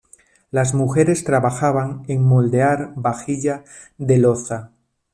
Las mujeres trabajaban en moldear vajilla de loza.